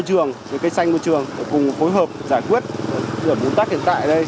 cây xanh môi trường cùng phối hợp giải quyết những vấn đề hiện tại